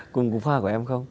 cùng cùng khoa của em không